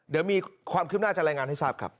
เดี๋ยวมีความคิดมนาจจะแรงงานให้ทราบครับ